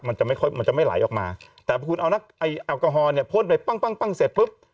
มันจะไม่ไหลออกมาแต่ถ้าคุณเอาไอลกอฮอล์เนี่ยพ่นไปปั้งเสร็จปุ๊บ